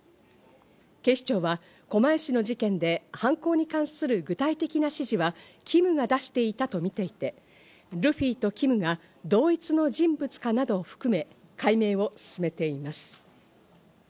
警視庁は狛江市の事件で犯行に関する具体的な指示はＫＩＭが出していたと見ていて、ルフィとＫＩＭが同一の人物かなど含め解明を進めています。